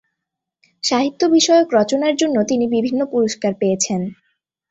সাহিত্য বিষয়ক রচনার জন্য তিনি বিভিন্ন পুরস্কার পেয়েছেন।